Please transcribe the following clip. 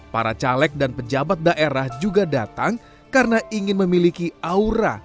para caleg dan pejabat daerah juga datang karena ingin memiliki aura